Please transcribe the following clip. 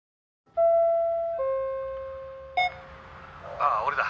「ああ俺だ。